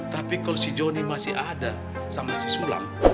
tapi kalau si joni masih ada sama si sulam